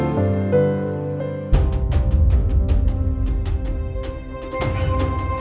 yang pertama ini adalah